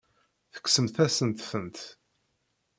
Tekksemt-asent-tent.